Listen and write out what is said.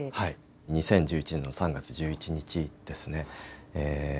２０１１年の３月１１日ですね。